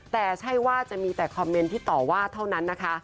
แต่ใช่ว่าจะมีแต่คอมเมนต์ที่ต่อว่าเท่านั้นนะคะ